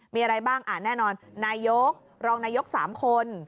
มีอะไรบ้างแน่นอนนายกรองนายก๓คน